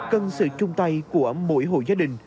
cần sự chung tay của mỗi hội gia đình